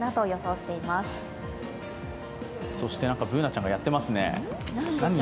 Ｂｏｏｎａちゃん、何やってるの。